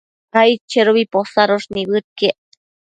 aidchedobi posadosh nibëdquiec